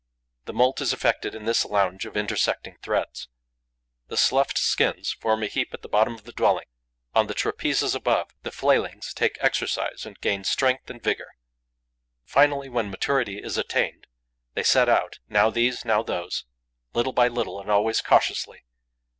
The moult is effected in this lounge of intersecting threads. The sloughed skins form a heap at the bottom of the dwelling; on the trapezes above, the flaylings take exercise and gain strength and vigour. Finally, when maturity is attained, they set out, now these, now those, little by little and always cautiously.